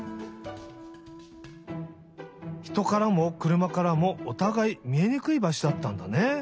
ひとからもくるまからもおたがいみえにくいばしょだったんだね。